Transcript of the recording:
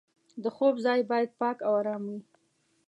د خوب ځای باید پاک او ارام وي.